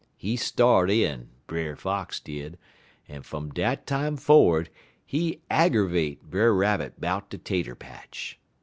He start in, Brer Fox did, en fum dat time forrerd he aggervate Brer Rabbit 'bout he tater patch.